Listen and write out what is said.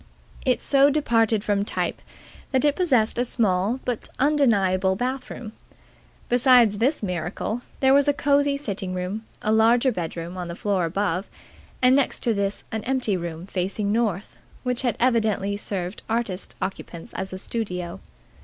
It so departed from type that it possessed a small but undeniable bath room. Besides this miracle, there was a cosy sitting room, a larger bedroom on the floor above and next to this an empty room facing north, which had evidently served artist occupants as a studio.